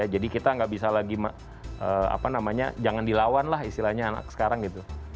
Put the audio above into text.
jadi kita nggak bisa lagi apa namanya jangan dilawan lah istilahnya anak sekarang gitu